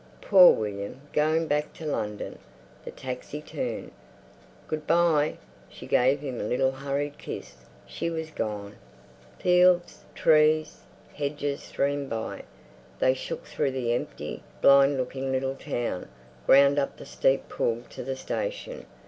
Poor William, going back to London." The taxi turned. "Good bye!" She gave him a little hurried kiss; she was gone. Fields, trees, hedges streamed by. They shook through the empty, blind looking little town, ground up the steep pull to the station.